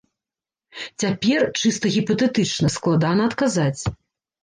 Цяпер, чыста гіпатэтычна, складана адказаць.